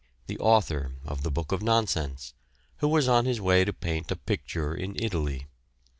the author of the Book of Nonsense, who was on his way to paint a picture in Italy.